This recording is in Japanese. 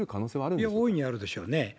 いや、大いにあるでしょうね。